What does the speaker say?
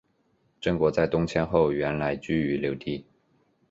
郑国在东迁后原来居于留地。